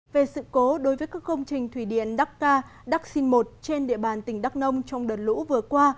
về sự cố đối với các công trình thủy điện đắc ca đắc sinh một trên địa bàn tỉnh đắk nông trong đợt lũ vừa qua